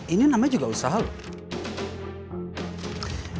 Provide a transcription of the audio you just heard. ini namanya juga usaha loh